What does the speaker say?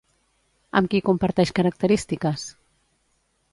Amb qui comparteix característiques?